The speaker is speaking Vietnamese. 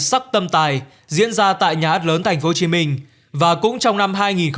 sắc tâm tài diễn ra tại nhà át lớn tp hcm và cũng trong năm